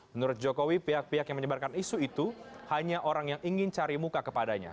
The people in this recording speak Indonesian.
menurut jokowi pihak pihak yang menyebarkan isu itu hanya orang yang ingin cari muka kepadanya